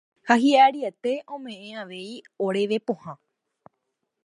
Ha hi'ariete ome'ẽ avei oréve pohã.